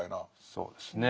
そうですね。